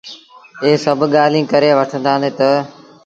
اي سڀ ڳآليٚنٚ ڪري وٺتآندي تا